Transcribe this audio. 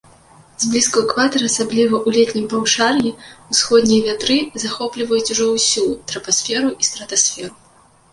Зблізку экватара, асабліва ў летнім паўшар'і, усходнія вятры захопліваюць ужо ўсю трапасферу і стратасферу.